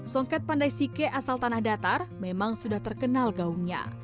songket pandai sike asal tanah datar memang sudah terkenal gaungnya